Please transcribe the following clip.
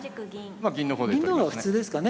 ま銀の方で取りますね。